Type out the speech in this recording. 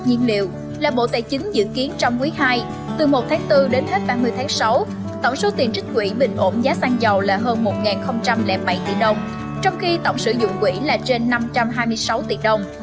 nhiên liệu là bộ tài chính dự kiến trong quý ii từ một tháng bốn đến hết ba mươi tháng sáu tổng số tiền trích quỹ bình ổn giá xăng dầu là hơn một bảy tỷ đồng trong khi tổng sử dụng quỹ là trên năm trăm hai mươi sáu tỷ đồng